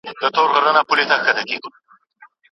دا معلومه کوي چې نوی کوروناویرس په بدن کې خپور شوی.